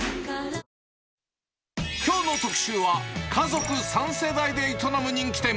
きょうの特集は、家族３世代で営む人気店。